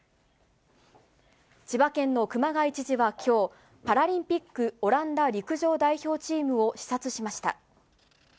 千葉県の熊谷知事はきょう、パラリンピック、オランダ陸上代表チームを視察しました。